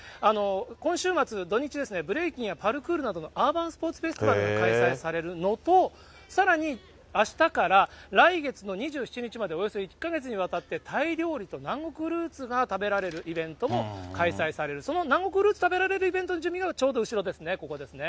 今週末、土日ですね、やパルクールなどのアーバンスポーツフェスティバルが開催されるのと、さらにあしたから、来月の２７日までおよそ１か月にわたってタイ料理と南国フルーツが食べられるイベントも開催される、その南国フルーツが食べられるイベントの準備がちょうど後ろですね、ここですね。